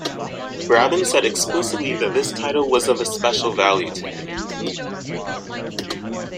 Braben said explicitly that this title was of a special value to him.